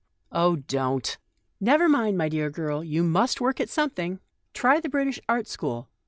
" Oh, don't." "Never mind, my dear girl. You must work at something. Try the British Art School.